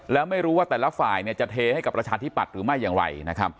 แล้วไม่รู้ว่าแต่ละฝ่ายจะเทให้กับประชาธิปัตย์หรือไม่อย่างไร